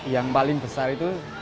yang paling besar itu